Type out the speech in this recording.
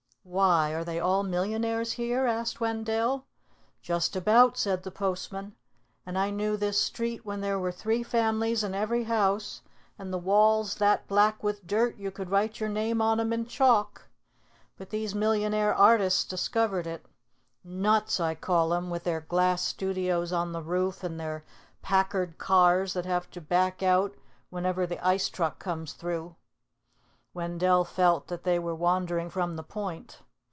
"Why, are they all millionaires here?" asked Wendell. "Just about," said the postman; "and I knew this street when there were three families in every house, and the walls that black with dirt, you could write your name on 'em in chalk. But these millionaire artists discovered it. Nuts, I call 'em, with their glass studios on the roof and their Packard cars that have to back out whenever the ice truck comes through." Wendell felt that they were wandering from the point.